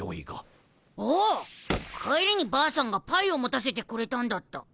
おお帰りにばあさんがパイを持たせてくれたんだった。